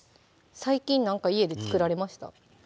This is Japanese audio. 最近何か家で作られました？